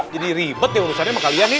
jadi ribet ya urusannya sama kalian nih